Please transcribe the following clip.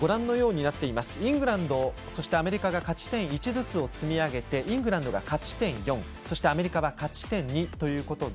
イングランド、アメリカが勝ち点１ずつ積み上げてイングランドが勝ち点４そしてアメリカは勝ち点２。